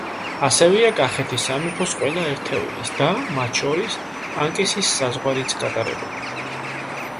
ასევეა კახეთის სამეფოს ყველა ერთეულის და, მათ შორის, პანკისის საზღვარიც გატარებული.